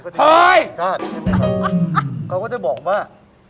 เขาก็จะบอกว่า